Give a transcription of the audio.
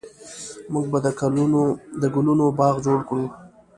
موږ به د ګلونو باغ جوړ کړو